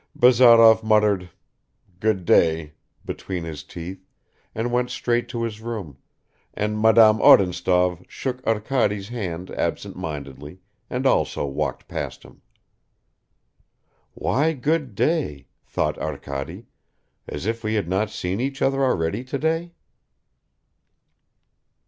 Bazarov muttered "Good day" between his teeth and went straight to his room, and Madame Odintsov shook Arkady's hand absent mindedly and also walked past him. "Why good day?" thought Arkady. "As if we had not seen each other already today!"